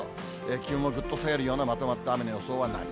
気温をぐっと下げるようなまとまった雨の予想はない。